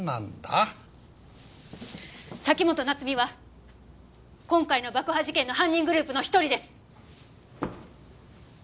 崎本菜津美は今回の爆破事件の犯人グループの一人です！